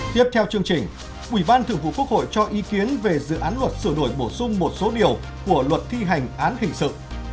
tiếp theo chương trình ủy ban thượng vụ quốc hội cho ý kiến về dự án luật sửa đổi bổ sung một số điều của luật thi hành án hình sự